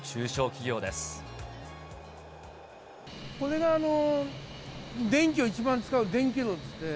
これが電気を一番使う電気炉ですね。